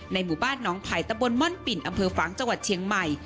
หมู่บ้านน้องไผ่ตะบนม่อนปิ่นอำเภอฝังจังหวัดเชียงใหม่